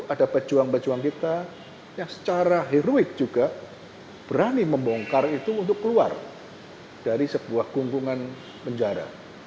ada pejuang pejuang kita yang secara heroik juga berani membongkar itu untuk keluar dari sebuah gungkungan penjara